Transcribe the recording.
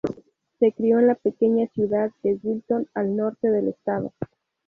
Se crio en la pequeña ciudad de Wilton, al norte del estado.